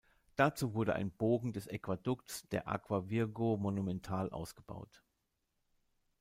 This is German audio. Dazu wurde ein Bogen des Aquädukts der Aqua Virgo monumental ausgebaut.